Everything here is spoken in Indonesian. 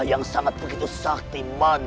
yang sangat begitu saktiman